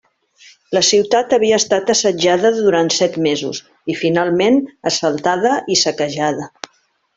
La ciutat havia estat assetjada durant set mesos i finalment assaltada i saquejada.